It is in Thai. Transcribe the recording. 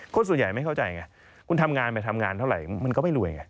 คนส่วนใหญ่ไม่เข้าใจไงคุณทำงานไปทำงานเท่าไหร่มันก็ไม่รวยไง